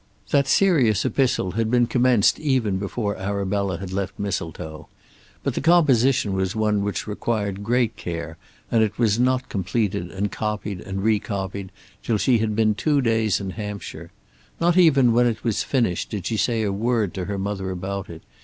That serious epistle had been commenced even before Arabella had left Mistletoe; but the composition was one which required great care, and it was not completed and copied and recopied till she had been two days in Hampshire. Not even when it was finished did she say a word to her mother about it.